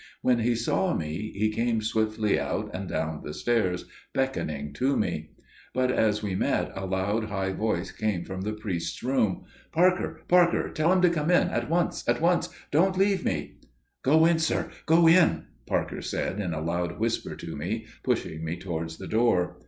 When he saw me, he came swiftly out and down the stairs, beckoning to me; but as we met, a loud high voice came from the priest's room. "Parker, Parker! tell him to come in––at once––at once. Don't leave me." "Go in, sir: go in," Parker said, in a loud whisper to me, pushing me towards the door.